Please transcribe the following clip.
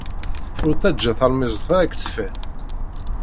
Ur ttajja talemmiẓt-a ad k-tfat.